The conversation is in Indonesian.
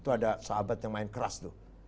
itu ada sahabat yang main keras tuh